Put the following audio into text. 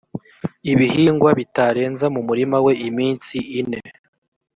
ibihingwa bitarenza mu murima we iminsi ine